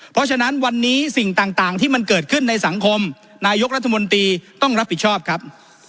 เพราะฉะนั้นวันนี้สิ่งต่างที่มันเกิดขึ้นในสังคมนายกรัฐมนตรีต้องรับผิดชอบครับ